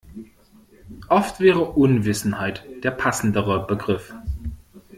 Oft wäre Unwissenheit der passendere Begriff.